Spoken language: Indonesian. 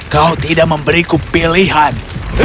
kau tidak memberiku pilihan